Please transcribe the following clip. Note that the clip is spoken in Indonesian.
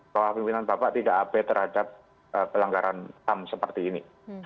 bahwa pimpinan bapak tidak abe terhadap pelanggaran ham seperti ini